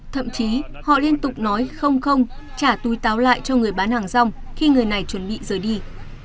thậm chí họ liên tục nói không không trả túi táo lại cho người bán hàng rong khi người này chuẩn bị rời đi